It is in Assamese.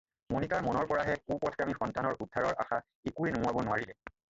মণিকাৰ মনৰ পৰাহে কুপথগামী সন্তানৰ উদ্ধাৰৰ আশা একোৱে নুমুৱাব নোৱাৰিলে।